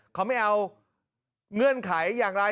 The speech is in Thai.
เขาไม่เอาเงื่อนไขอย่างไร